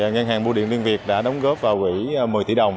ngân hàng bô điện liên việt đã đóng góp vào quỹ một mươi tỷ đồng